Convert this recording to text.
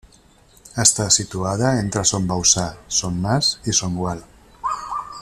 Està situada entre Son Bauçà, Son Mas i Son Gual.